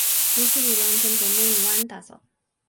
musi li lon tenpo mun wan taso.